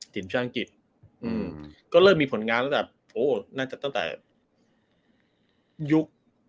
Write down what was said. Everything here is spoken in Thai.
ทีมชาติอังกฤษก็เริ่มมีผลงานตั้งแต่ยุค